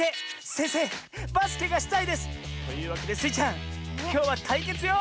せんせいバスケがしたいです！というわけでスイちゃんきょうはたいけつよ！